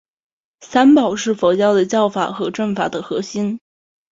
三宝是佛教的教法和证法的核心。